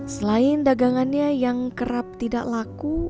selain dagangannya yang kerap tidak laku